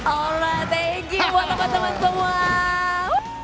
ola thank you buat teman teman semua